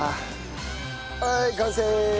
はい完成！